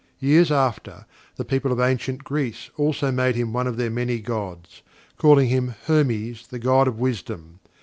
Years after, the people of Ancient Greece also made him one of their many gods calling him "Hermes, the god of Wisdom."